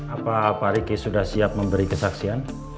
apa pak riki sudah siap memberi kesaksian